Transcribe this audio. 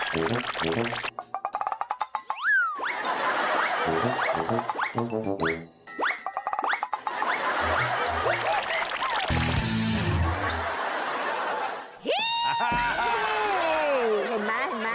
เห็นไหม